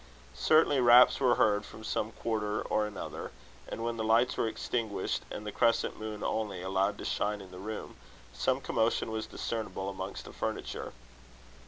Certainly, raps were heard from some quarter or another; and when the lights were extinguished, and the crescent moon only allowed to shine in the room, some commotion was discernible amongst the furniture.